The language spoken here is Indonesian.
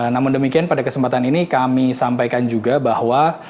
namun demikian pada kesempatan ini kami sampaikan juga bahwa